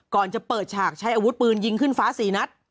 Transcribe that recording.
ก่อนจะเปิดฉากใช้อาวุธปืนยิงขึ้นฟ้า๔นัด